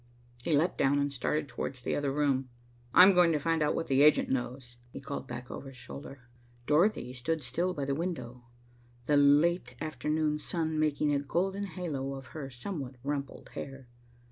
He leaped down and started towards the other room. "I'm going to find out what the agent knows," he called back over his shoulder. Dorothy still stood by the window, the later afternoon sun making a golden halo of her somewhat rumpled hair.